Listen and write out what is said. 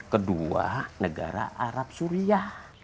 kedua negara arab surya